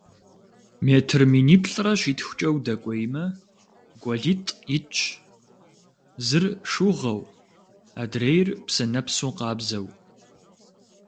Метр миниплӏрэ щитхукӀэ удэкӀуеймэ, гуэлитӀ итщ, зыр шыугъэу, адрейр псынэпсу къабзэу.